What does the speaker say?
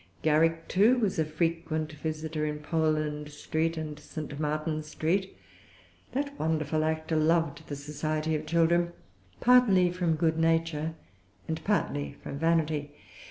Garrick, too, was a frequent visitor in Poland Street and St. Martin's Street. That wonderful actor loved the society of children, partly from good nature, and partly from vanity.